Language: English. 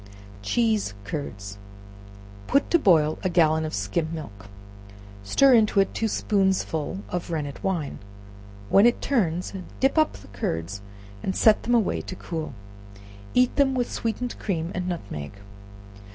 Cheese Curds. Put to boil a gallon of skim milk, stir into it two spoonsful of rennet wine; when it turns, dip up the curds and set them away to cool; eat them with sweetened cream and nutmeg.